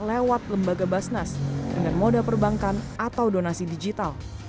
lewat lembaga basnas dengan moda perbankan atau donasi digital